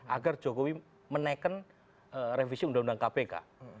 agar jokowi menaikkan revisi undang undang kpk